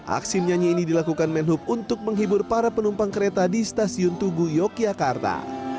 aksi menyanyi ini dilakukan menhub untuk menghibur para penumpang kereta di stasiun tugu yogyakarta